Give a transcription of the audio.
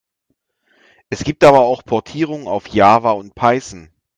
Es gibt aber auch Portierungen auf Java und Python.